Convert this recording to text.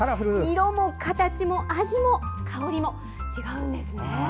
色も形も味も香りも違うんです。